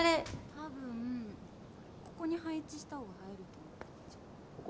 多分ここに配置した方が映えると思うここ？